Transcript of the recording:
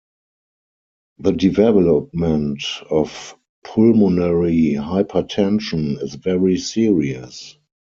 The development of pulmonary hypertension is very serious.